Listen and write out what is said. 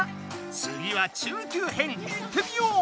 つぎは中級編いってみよう！